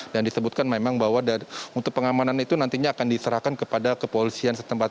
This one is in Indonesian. dan disebutkan memang bahwa untuk pengamanan itu nantinya akan diserahkan kepada kepolisian setempat